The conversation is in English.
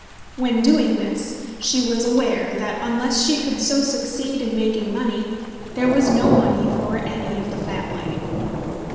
When doing this she was aware that unless she could so succeed in making money, there was no money for any of the family.